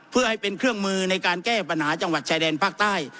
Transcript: เพื่อให้เป็นเครื่องมือในการแก้ปัญหาจังหวัดชายแดนภาคใต้